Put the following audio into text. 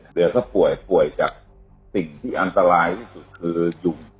เดี๋ยวถ้าป่วยป่วยจากสิ่งที่อันตรายที่สุดคือยุ่ง